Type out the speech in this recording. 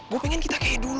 gue pengen kita berantem